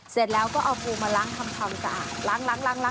เสร็จแล้วก็เอาปูมาล้างทำความสะอาด